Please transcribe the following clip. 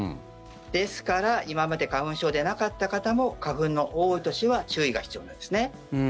ですから今まで花粉症でなかった方も花粉の多い年は注意が必要なんですね。